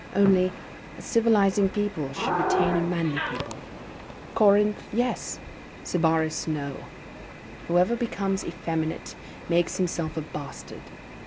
Only, a civilizing people should remain a manly people. Corinth, yes; Sybaris, no. Whoever becomes effeminate makes himself a bastard.